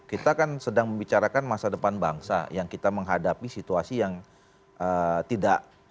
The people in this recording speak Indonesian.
kita kan sedang membicarakan masa depan bangsa yang kita menghadapi situasi yang tidak